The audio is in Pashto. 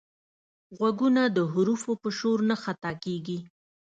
غوږونه د حرفو په شور نه خطا کېږي